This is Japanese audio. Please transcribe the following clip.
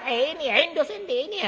遠慮せんでええねや！